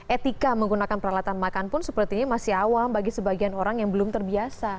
etika menggunakan peralatan makan pun sepertinya masih awam bagi sebagian orang yang belum terbiasa